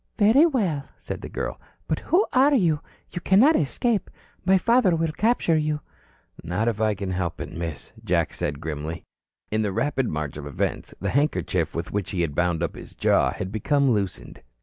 "Very well," said the girl. "But who are you? You cannot escape. My father will capture you." "Not if I can help it, Miss," said Jack grimly. In the rapid march of events, the handkerchief with which he had bound up his jaw had become loosened.